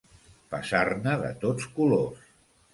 Passar-ne de tots colors.